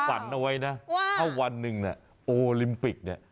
ผมฝันเอาไว้ว่าวันหนึ่งมีวันไต้มีอลิมปิชา